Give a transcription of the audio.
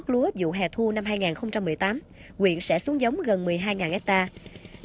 lúa dụ hè thu năm hai nghìn một mươi tám quyện sẽ xuống giống gần một mươi hai hectare